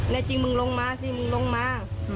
ในจริงมึงลงมาจริงมึงลงมา